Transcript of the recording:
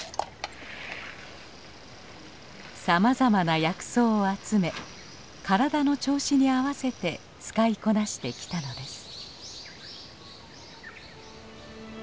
さまざまな薬草を集め体の調子に合わせて使いこなしてきたのです。